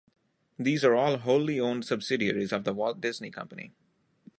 These are all wholly owned subsidiaries of The Walt Disney Company.